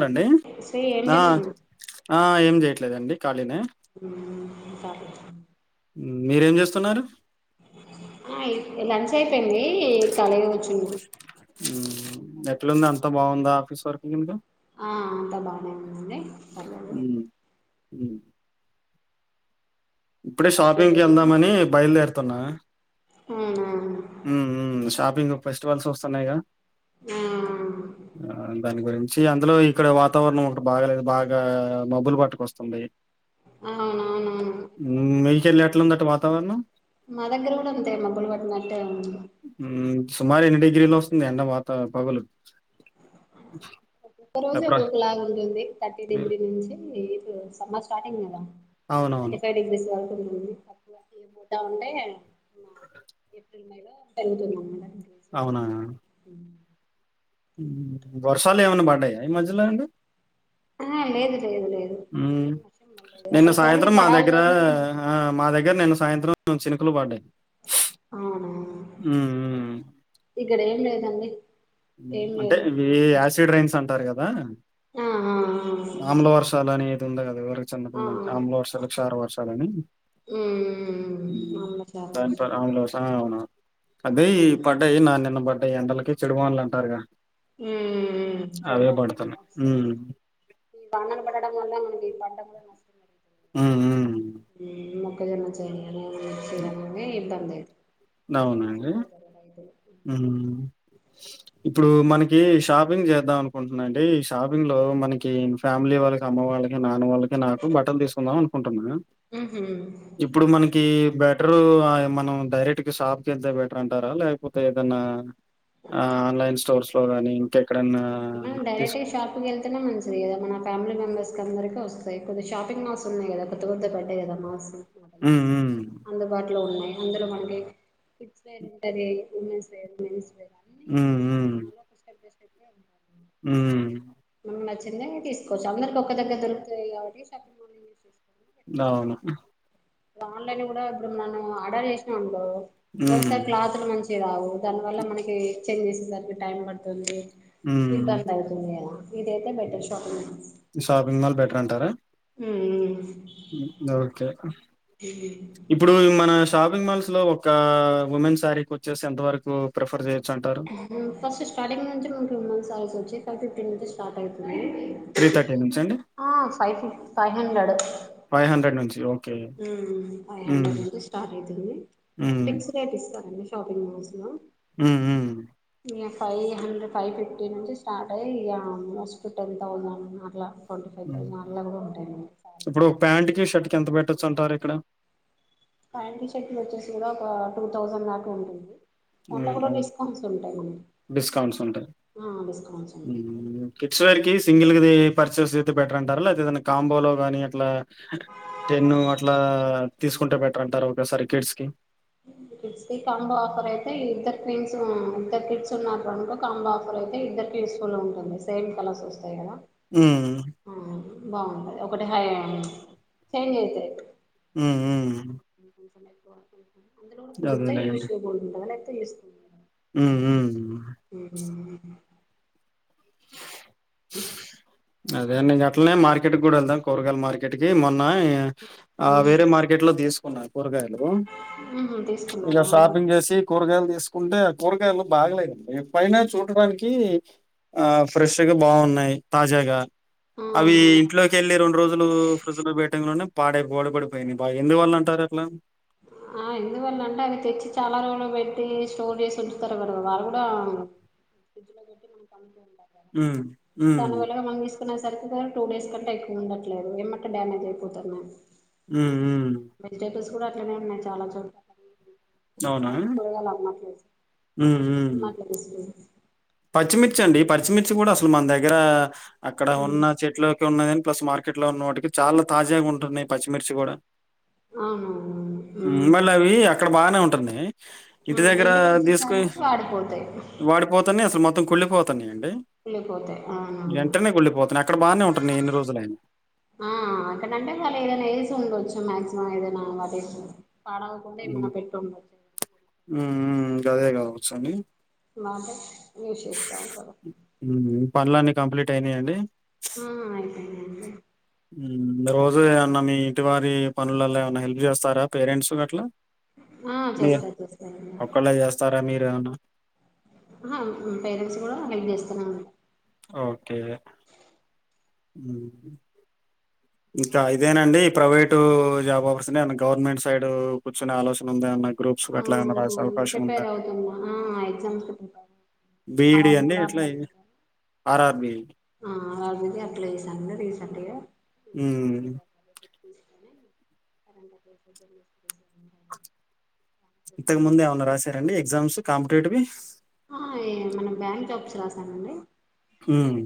రండి శ్రీ ఏం ఆ చేస్తున్నావ్ ఆ ఏం చెయ లేదండి కాళీనె ఇంకా మీరేం చేస్తున్నారు ఆ లంచ్ అయిపోయింది కళేగ కూచున్నా అట్లుంది అంత బాగుందా ఆఫీస్ వర్క్ కిందకా ఆ అంతా బాగానే ఉండి పర్లేదు హ ఇప్పుడే మీది వర్క్ షాపింగ్కి వెళ్దామని బయలుదేరు త్తన్నా ఆ ఉ ఉ షా ఇంగ ఫెస్టివల్స్ వస్తున్నాయి ఆ దాని గురించి చి అందులో ఇక్కడ వాతావరణం ఒకటి బాగాలేదు బాగా మబ్బులు పట్టుకొ వస్తుంది ఆ అవునవునవును మీకెళ్ళి‌ ఎట్లుందండి వాతావరణ అ సుమారు ఎన్ని డిగ్రీలో వస్తుంది ఎండ వాతావరణం పగలు ఒక్క రోజు ఎప్పుడా? ఒక్కొక్క లాగ ఉంటుంది థర్టీ డిగ్రీ నుంచి సమ్మర్ స్టార్టింగ్ కదా అవునవును థర్టీ ఫైవ్ డిగ్రీస్ వా ఇప్పుడు తక్కువ ఇపోత ఉంటే, ఏప్రిల్ మే లో పెరుగుతుంది అన్నమాట. అవునా వర్షాలు ఏమైన పడ్డాయా ఈ మధ్యలో అండి. అహ లేేదు ఉమ్ నిన్న అసలు కోలికి సాయంత్రం మా పడాలి దగ్గర, కానీ నేను ఆ మా దగ్గర నిన్న సాయంత్రం చినుకులు పడ్డయి. అవునా హ్మ్. ఇక్కడ ఏం లేదండి. ఏం అంటే లేదు ఇవీ యాసిడ్ రైన్స్ అంట. అంటరు కదా ఆ ఆఆ తందా కద చిన్నప్పుడు మన ఆమ్ల వర్షాలు, క్షార వర్షాలు అని, మ్మ్ అవును చాలా దాని వర్షాలు ఆమ్ల వర్ష ఆ అవును, అదే ఈ మ్మ్ పడ్డయ్ నా నిన్న వడ్డై ఎండలకి చెడు వాన్ అంటారుగ మ్ చెమ్మా చెల్లా వాన వస్తే, హ్మ్. ఈ వానలు పట్టడం వల్ల మనకి పంట కూడా నష్ హ్మ్. హ్మ్. ఉమ్ మొ ఏదన్న చెయ్ అ మంచి అనేది ఇబ్బంది. నవునండి నష్టపోతారు రైతులు ఉమ్ ఇప్పుడు మనకి షాపింగ్ చేద్దాం అనుకుంటున్నండి, ఈ షాపింగ్ లో మనకి ఫ్యామిలీ వాళ్ళకి, అమ్మ వాళ్ళకి, నాన్న వాళ్ళ నాకు బట్టలు తీసుకుందాం అనుకుంటున్నా, మ్మ్ ఇప్పుడు మనకి హ్మ్ బెట్రు మనం డైరెక్ట్ షాప్కి వెళ్తే బెటర్ అంటారా, లేకపోతే ఏదన్నా ఆ ఆన్లైన్ స్టోర్స్ లోగాని ఇంకా మనం డైరెక్ట్గా షాప్కి వెళ్తేనే మంచిది కదా, మన ఫ్యామిలీ మెంబర్స్ కి అందరికి వస్తుం ది కొద్ది షాపింగ్ మాల్స్ ఉన్నయి కదా, కొత్త కొత్తయి పడ్డయి కదా మాల్స్. మా దగ్గర హ్మ్. హ్మ్. అందుబాటు టులో ఉన్నాయ్, అందులో మనకి కిడ్స్ వేర్ ఉంటది, ఉమెన్స్ వేర్, మెన్స్ వేర్ అన్నీ ఈ హ్మ్. షాపింగ్ మాల్ లో ప్రిస్క్రైబ్ చేసుకున్నాం. చెప్పే ఉంటా ఉమ్ నచ్చిందే తీస్కోచ్చు. అందర్కి ఒక దగ్గర దొరుకుతయి కాబట్టి చేసుకోవడం బెటర్ [unintelligible] ఆన్లైన్ గుడ ఇప్పుడు మనం ఆర్డర్ చేసినం అనుకో హ్మ్. ఒకసారి క్లాత్లు మంచిగ రావు దానివల్ల మనకీ చేంజ్ చేసే సరికి టైం పడ్తుంది. హ్మ్. ఇబ్బంద్ అవుతుందేమో ఇదైతే better shopping shopping mall better అంటారా హ్ మ్ మ్ ఓకే ఇప్పుడూ మన షాపింగ్ మాల్స్లో ఒక ఉమెన్ సారీకి వచ్చేసి ఎంత వరకు ప్రిఫర్ చే ఫస్ట్ స్టార్టింగ్ నుంచి మనకి ఉమెన్స్ సారీస్ చ్చి ఫైవ్ ఫిఫ్టీ నుంచి స్టార్ట్ అయితుం త్రీ థర్టీ నుంచండి ఫైవ్ ఫిఫ్ ఫైవ్ హండ్రెడ్ ఫైవ్ హండ్రెడ్ నుంచి ఓ ఫైవ్ హండ్రెడ్ నుంచి స్టార్ అయితుంది. వాళ్ళు హ్మ్. ఫిక్స్ రేట్ ఇస్తారండి. షాపింగ్ మాల్స్లో మ్ మ్ ఇగ ఫైవ్ హండ్రెడ్ ఫైవ్ ఫిఫ్టీ నుంచి స్టార్ట్ అయి ఇగ మస్ట్ టెన్ థౌజండ్ అట్లా ట్వంటీ ఫైవ్ థౌజండ్ అట్లా కూడా ఉంటాయి మనకి శారీస్ ఇప్పుడు ఒక ప్యాంట్ కి అకేషన్ షర్ట్ కి ఎంత పెట్టొచ్చు అంటారు ఇక్కడ ప్యాంట్లు, షర్ట్లు వచ్చేసి గుడా ఒక టూ థౌజండ్ దాకా ఉంటుంది. దాంట్లో కూడా డిస్కౌంట్స్ ఉంటాయి మనకి డిస్కౌంట్స్ ఉంటాయి. ఆ డిస్కౌంట్స్ ఉంటాయి కిడ్స్ వేర్ కీస్ సింగిల్గ ఇది పర్చేస్ చేస్తే బెటర్ అంటారా లేక ఏదన్న కాంబోలో గానీ అట్లా టెన్ అట్లా తీస్కుంటే బెటర్ అంటారా ఒకేసారి కిడ్స్కి కిడ్స్కి కాంబో ఆఫర్ అయితే ఇద్దరు క్వీన్స్ ఇద్దరు కిడ్స్ ఉన్నారనుకో కాంబో ఆఫర్ అయితే ఇద్దర్కి యూస్ఫుల్ ఉంటుంది. సేమ్ కలర్స్ వస్తాయి కదా మ్ బాగుంటది ఒకటి హై చేంజ్ అయితయి మ్ మ్ [inaudible] అందులో కూడా కుదుర్తే ఇవి షో బోర్డ్ల ఉంటద లే చేస్తున్న మ్ మ్ [unintelligible] [unintelligible] హు అదే నేన్ గట్లనే మార్కెట్ గుడా వెళ్దాం కూరగాయల మార్కెట్కి మొన్న ఆ వేరే మార్కెట్లో తీస్ కోన కూరగాయలు ఉహు ఇగా తీసుకున్నారా షాపింగ్ చేసి కూరగాయలు తీసుకుంటే ఆ కూరగాయలు బాగలేదండి పైన చూడడానికి ఆ ఫ్రెష్గా బాగున్నాయి తాజాగా అవి ఇంట్లోకి వెళ్ళి రెండు రోజులు ఫ్రిడ్జ్ లో పెట్టంగానే పాడే బోడ పడిపోయి బాగా ఎందు వాళ్ళు అంటారు అట్లా ఆ ఎందువల్ల అంటే అవి తెచ్చి చాలా రోజులు పెట్టి స్టోర్ చేసి ఉంచుతారు కద వాళ్ళు కూడా ఫ్రిడ్జ్ లో పెట్టి మన ప ఉ ఉ నా సరుకు పోను టూ డేస్ కంటే ఎక్కువ ఉండట్లేదు ఏమటే డమేజ్ అయిపోతునాయి ఉఉ వెజిటేబుల్స్ కూడా అట్లనే ఉన్నాయి చాలా చోట్ అవునా చాల కూరగాయాలు అమ్మట్లేదు ఉమ్ డిమర్ట్ లా తీసుకున్నం పచ్చిమిర్చ అండి పచ్చిమిర్చి కూడా అసలు మన దగ్గర అక్కడ ఉన్న చెట్లు ఇంట్లో ఉన్నవాటికి ప్లస్ మార్కెట్ లో ఉన్న వాటికి చాలా తాజాగా ఉంటున్నాయి పచ్చిమిర్చి కూడా ఆహా ఉమ్మ్ మళ్ళవి అక్కడ బానే ఉంటుంది ఇంటి తెచ్చేసరికి వాడిపోతాయి తని అసలు మత్తం కుళపో తని కుళ్ళిపోతాయి అవునవును కుళ్ళిపోతున్నాయి. అక్కడ బానే ఉంటున్నాయి ఎన్ని రోజులైనా. ఆ అక్కడంటే వాళ ఏదైనా ఏసు ఉండొచ్చు మాక్సిమం ఏదైనా అదే మ్మ్ ఉమ్మ్ గాదె గాదె సని మాట నివషిస్తా ఉంటదా హ్మ్. పనులన్నీ కంప్లీట్ అయినాయియండి మ్మ్ అయిపోయినాయి అండి మ్మ్ రోజు ఏమన్నా మీ ఇంటి వారి పనులల్లో ఏమన్నా హెల్ప్ చేస్తారా పేరెంట్స్ గట్లా ఆ చేస్తాారు చేస్తాారు అండి రౌండ్ ఆహా పేరెంట్స్ కూడా హెల్ప్ చేస్తారండి ఓకే అవు ఇంకా ఇదేనండి ఈ ప్రైవేటు జాబ్ [unintelligible] గవర్నమెంట్ సైడ్ కూర్చొన ఆలోచన ఉంది అన్నట్ గ్రూప్స్ ఆ గట్లాన రాసే అవకాశం ఉంద ప్రిపేర్ అవుతున్నా ఆ ఎగ్జామ్స్కి ప్రిపేర్ అవుతున్నా బిఈడి ఆర్ఆర్ అండి కూడా అట్లా అప్లై చేశాను ఆర్ఆర్బి ఆ ఆర్ ఆర్ బి కి అప్లై చేశాను రీసెంట్ గా హ్మ్. [inaudible] తీసుకొని కరెంట్ అఫైర్స్ [inaudible] కదా, ఇంతకు ముందు ఏమన్నా రాశారండి ఎగ్జామ్స్ కాంప్టేటివి ఆ ఏ మన బ్యాంక్ జాబ్స్ రాసానండి హ్మ్.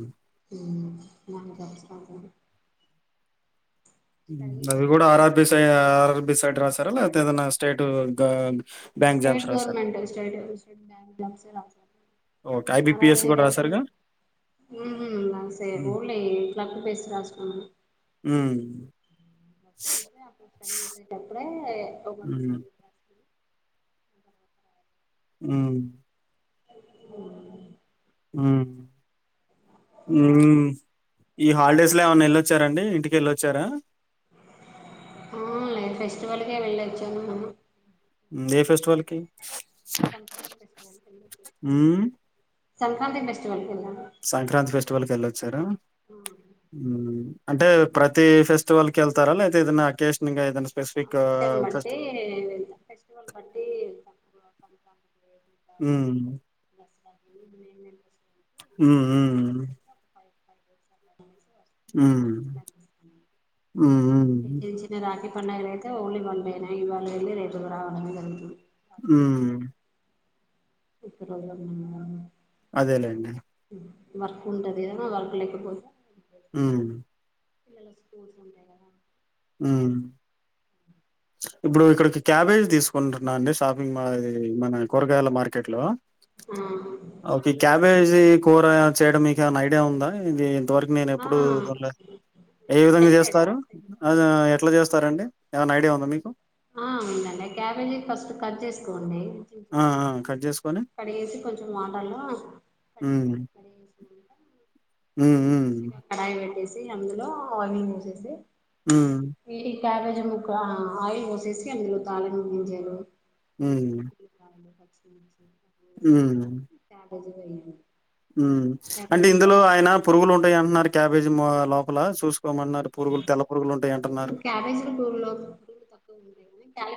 ఉమ్ బ్యాంకు జాబ్స్ రాశాను ఉమ్ అవి కూడా R R B degree side ఆ ఆర్ఆర్బి సైడ్ రాసారా లేక్పో ఏదైనా స్టేటు గ బ్యాంక్ స్టేట్ జాబ్స్ రాసారా? గవర్నమెంట్ నుంచి స్టేట్ స్టేట్ బ్యాంక్ జాబ్ సే రాశా okay. R R IBPS B కూడా రాయటం రాసారుగా? ఉమ్ రాస హ్మ్. పోన్లే ఇట్ల [unintelligible] రాసుకో హ్మ్. అప్పుడు స్టడీ చేసేటప్పుడే [inaudible] హ్మ్. ఉమ్ [inaudible] ఉమ్ ఉమ్ ఈ హాలిడేస్ లో ఏమన్నా వెళ్ళొచ్చారండి ఇంటికి వెళ్ళొచ్చారా ఆ లే ఫెస్టివల్కే వెళ్లొచ్చాము మేము ఉమ్ ఏ ఫెస్టివల్ కి కనుక్కోండి ఫెస్టివల్ కి హ్మ్. సంక్రాంతి ఫెస్టివల్ సంక్రాంతి ఫెస్టివల్కి వెళ్ళొచ్చారా ఉమ్ అంటే ప్రతి ఫెస్టివల్ కి వెళ్తారా లేతే ఏదన్నా అకేషన్ ఇంక ఏదనా ఆకెషన్ బట్టి ఫెస్టివల్ బట్టి వెళ్తాం ఉమ్ [inaudible] ఉమ్ ఉమ్ కంపల్సరీ వెళ్ళి ఒక ఫైవ్ ఫైవ్ డేస్ వెళ్ళాము ఉమ్ ఉమ్ పండగలు అయితే ఓన్లీ వన్డే నే ఇవాళ వెళ్లి రేపు రావడమే దానికి ఉమ్ ఇప్పుడు [unintelligible] అదేలేండి వర్క్ ఉంటది కదా వర్క్ లేకపోతే ఉ పిల్లలకి స్కూల్స్ ఉంటాయి కదా ఉ ఇప్పుడు ఇక్కడికి క్యాబేజ్ తీసుకుంటున్నా అండి షాపింగ్ మా ఇది మన కూరగాయల మార్కెట్లో ఒకే క్యా బేజి కూర చేయడం మీకేమైనా ఐడియా ఉందా ఇది ఇంతవరకు నేను ఆ ఎప్పుడు ఆ దొర్లే ఏ ఎప్పుడు విధంగా చేయలేదా చేస్తారు ఆ ఎట్లా చేస్తారండి ఏమైనా ఐడియా ఉందా మీకు ఆ ఉందండి క్యాబేజీ ఫస్ట్ కట్ చేసి కోండి ఆ ఆ కట్ చేసుకొని కొంచెం వాటర్లో ఉ నెక్స్ట్ ఇంకా కడాయి పెట్టేసి అందులో ఆనియన్ వేసేసి ఉ క్యాబేజ్ ముక్కలు ఆయిల్ పోసి వేసి అందులో తాలింపు గింజలు [inaudible] [inaudible] హ్మ్. వేసిన తర్వాత ట్యాగ్ క్యాబేజీ వేయండి ఉ అంటే క్యాబేజీ ఇందులో ముక్క ఆయన పురుగులు ఉంటాయింటన్నారు క్యాబేజ్ మా లోపల చూసు కోమన్నారు పురుగులు తెల్ల పురుగులు ఉంటాయి అంటున్నారు మన క్యాబేజీలో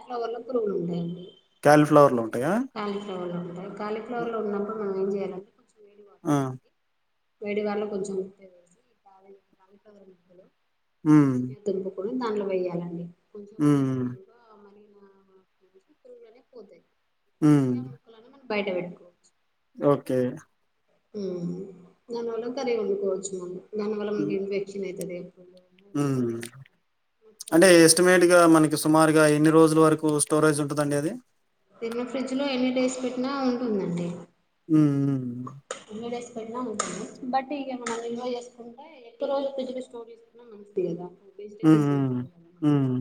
ఫ్లవర్ లో పురుగులు ఉంటాయండి కాలీఫ్లవర్‌లో ఉంటాయా? కాలీఫ్లవర్ లో ఉంటాయి కాలీఫ్లవర్ లో ఉన్నప్పుడు మనం ఏం చేయలేం ఆ వేడి వాటర్ లో కొంచెం ఉప్పు వేసి హ్మ్. [inaudible] [unintelligible] ఇప్పుడు దాంట్లో వేయ్యాలండి కొంచెం హ్మ్. మరిగినయనుకో ఆ మరిగిన ఆ పురుగులు అనేవి పోతాయి హ్మ్. [unintelligible] ముక్కలను మనము బయట పెట్టుకోవచ్చు ఓకే ఊ [unintelligible] కర్రీ వండుకోవచ్చు మళ్లీ దాని వల్ల మనకి ఇన్ఫెక్షన్ అయిద్ గదే మ్మ్ అంటే ఎస్టిమేట్ గా మనకి స్కు సుమారుగా ఎన్ని రోజుల వరకు స్టోరేజ్ ఉంటదండి అది తిన్న ఫ్రిడ్జ్ లో ఎన్ని డేస్ పెట్టినా ఉంటుందండి. ఉమ్, ఉమ్ ఉమ్ క్కువ డేస్ పెట్నా ఉంటుంది బట్ ఇగ మనం నిల్వ జేసుకుంటే ఎక్కువ రోజులు ఫ్రిజ్లో స్టోర్ చేస్కున్న మంచిది గదా హ్మ్ మ్మ్, హ్మ్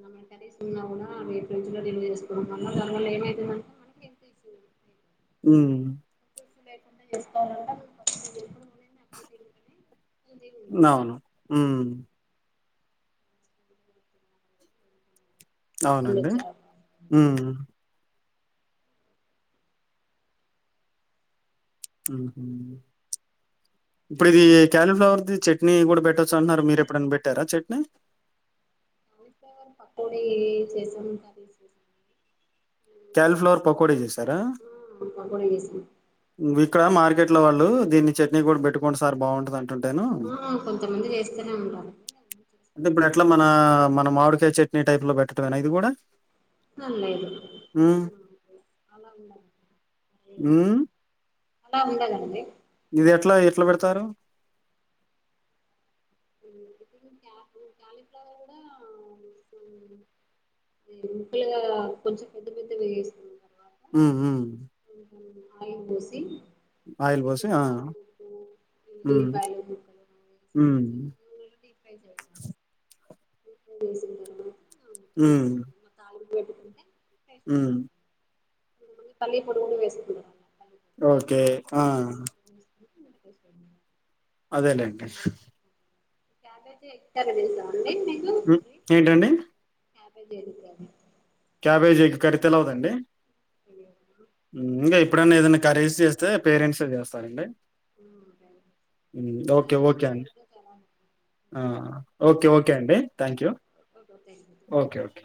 మన్న కర్రీస్ ఉన్నా గూడ అవి ఫ్రిడ్జ్ లో నిల్వ చేసుకోవడం వల్ల దానివల్ల ఏమయితుందంటే మనకి బెనిఫిట్స్ ఉమ్ స్ లేకుండా చేస్కోవాళ్లంటే ఎపుడు నూనెనే ఎప్పుడూ తిరుగుతది అవును ఉమ్ జబ్బులు అవునండి వచ్చే అవకాశం ఉమ్ ఉమ్ హు, ఇప్పుడిది క్యాలీఫ్లవర్ది చట్నీ గూడ పెట్టొచ్చు అంట్న్నారు, మీరెప్పుడన్న బేట్టారా చట్నీ? క్యాలీఫ్లవర్ పకోడీ చేసాం, కర్రీస్ చేసామండి క్యాలిఫ్లవర్ పకోడి చేసారా ఆ పకోడీ చేసాం విత్ క్కడ మార్కెట్ లో వాళ్ళు దీన్ని చట్నీ గూడ బేట్టుకొండి సార్ బాగుంటదం అంటేను ఆ కొంతమంది చేస్తూనే ఉంటారు అంటే ఇప్పుడు చేసుకోవచ్చు ఎట్లా మనా ఏం మన మామిడి తె చట్నీ టైప్ లో పెట్టడమేనా ఇది గూడ? అల్లెయ్యడమే ఉమ్, ఊమ్ అలా ఉండదండి ట్లా ఎట్లా పెడతారు? [inaudible] కాలీఫ్లవర్ కూడా ముక్కలుగా కొంచెం పెద్ద పెద్దవే వేస్కోవాలె ఉమ్ ఊమ్ ఆ, ఆయల్ పోసి ఆయల్ ఎక్కువ పోసి ఆ కారం ఉప్పు ఉమ్ ఎల్లిపాయలు ముక్కలు వేసి ఉమ్ కొంచెం డీఫ్రై చేసిన తర్వాత ఉమ్ తాలింపు పెట్టుకుంటే ఉప్పేస్కోవాలి ఉమ్, కొంచెం కొంతమంది పల్లీ పొడి గూడ వేసుకుంటారళ్ళ ఓకే ఆ ఇంగ ఉప్పేసుకోవాలి అదేలేండీ క్యాబేజీ ఎగ్ కర్రీ చేసా ఊ ఏంటండి cabbage egg curry cabbage egg curry తెలవదండి తెలియదు ముందే ఎప్పుడైన్న ఏదైనా కర్రీస్ చేస్తే పేరెంట్స్ యే చేస్తారండి. ఉ ఓకే క్యాబేజీ ఓకే అండి ఎక్తారంటే చాలా ఆ ఓకే ఓకే అండి thank you okay thank you okay okay